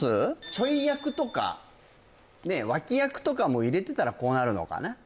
ちょい役とか脇役とかも入れてたらこうなるのかな